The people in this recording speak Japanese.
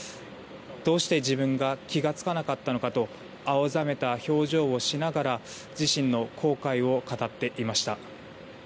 どうして自分が気が付かなかったのかと青ざめた表情をしながら自身の後悔を語っていました。